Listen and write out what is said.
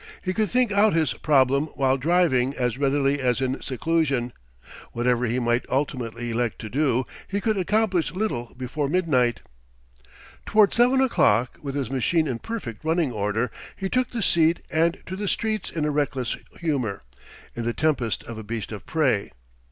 He could think out his problem while driving as readily as in seclusion; whatever he might ultimately elect to do, he could accomplish little before midnight. Toward seven o'clock, with his machine in perfect running order, he took the seat and to the streets in a reckless humour, in the temper of a beast of prey.